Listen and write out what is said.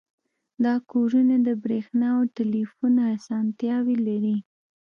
دا کورونه د بریښنا او ټیلیفون اسانتیاوې لري